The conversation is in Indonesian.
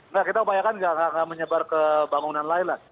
nah kita upayakan nggak menyebar ke bangunan lain lah